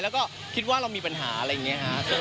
แล้วก็คิดว่าเรามีปัญหาอะไรอย่างนี้ครับ